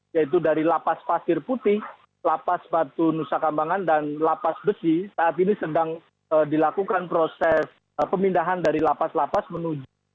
yaitu dari lapas pasir putih lapas batu nusa kambangan dan lapas besi saat ini sedang dilakukan proses pemindahan dari lapas lapas menuju